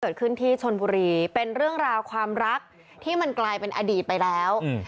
เกิดขึ้นที่ชนบุรีเป็นเรื่องราวความรักที่มันกลายเป็นอดีตไปแล้ว